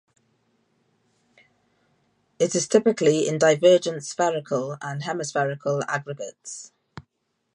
It is typically in divergent spherical and hemispherical aggregates.